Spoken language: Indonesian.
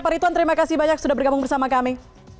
pak rituan terima kasih banyak sudah bergabung bersama kami